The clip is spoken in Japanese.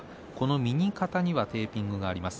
右肩にはテーピングがあります。